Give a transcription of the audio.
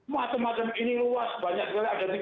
macem macem ini luas banyak sekali